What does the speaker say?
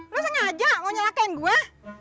lo sengaja mau nyalakain gua